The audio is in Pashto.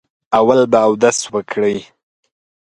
اول به اودس وکړئ.